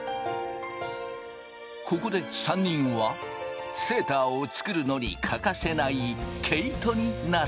ここで３人はセーターを作るのに欠かせない毛糸になる。